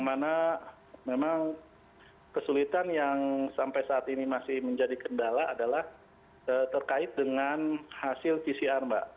karena memang kesulitan yang sampai saat ini masih menjadi kendala adalah terkait dengan hasil pcr mbak